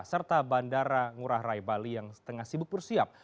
serta bandara ngurah rai bali yang tengah sibuk bersiap